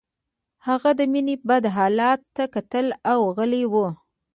هغه د مينې بد حالت ته کتل او غلی و